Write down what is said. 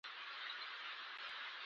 د جامو او بدن پاکوالی د روغتیا نښه ده.